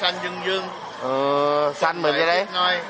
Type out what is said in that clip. มีสันเหมือนกันไหม